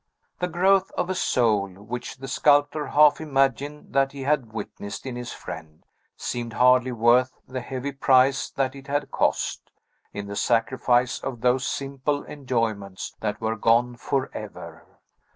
The growth of a soul, which the sculptor half imagined that he had witnessed in his friend, seemed hardly worth the heavy price that it had cost, in the sacrifice of those simple enjoyments that were gone forever.